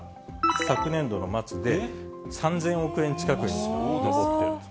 昨年度の末で３０００億円近くに上ってるんです。